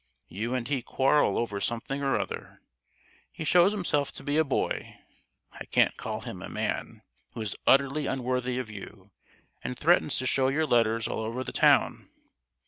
You and he quarrel over something or other; he shows himself to be a boy (I can't call him a man!), who is utterly unworthy of you, and threatens to show your letters all over the town!